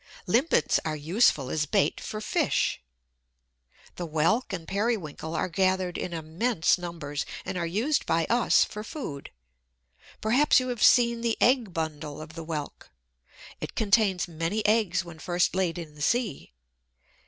Limpets are useful as bait for fish. The Whelk and Periwinkle are gathered in immense numbers, and are used by us for food. Perhaps you have seen the egg bundle of the Whelk. It contains many eggs when first laid in the sea.